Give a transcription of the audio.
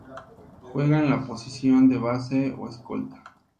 Juega en la posición de base o escolta.